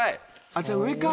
じゃあ上か。